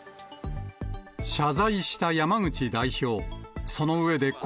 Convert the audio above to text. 謝罪した山口代表。